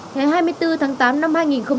ngày hai mươi bốn tháng tám năm hai nghìn hai mươi